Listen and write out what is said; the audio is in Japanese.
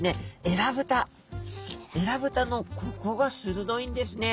えらぶたのここがするどいんですね。